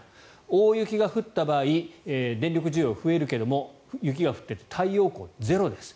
大雪が降った場合電力需給は増えるけれども雪が降って太陽光ゼロです。